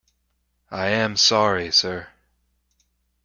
I am sorry sir.